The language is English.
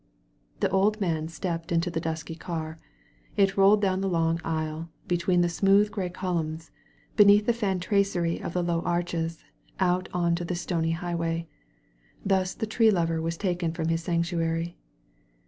The old man stepped into the dusky car. It rolled down the long aisle, between the smooth gray colunms, beneath the fan tracery of the low arches, out on to the stony highway. Thus the tree lover was taken from his sanctuary.